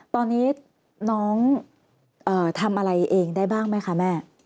ตอนนี้น้องทำอะไรเองได้บ้างไหมคะแม่